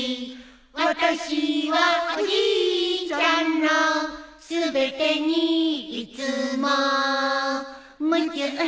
「私はおじいちゃんの全てにいつも夢中なの」